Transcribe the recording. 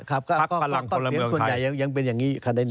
พักพลังพลเมืองไทย